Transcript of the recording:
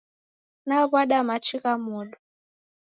Naw'ada machi gha modo